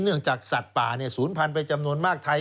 เนื่องจากสัตว์ป่าเนี่ยศูนย์พันธุ์เป็นจำนวนมากไทย